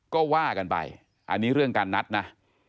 ก็ว่ากันไปอันนี้เรื่องการนัดนะ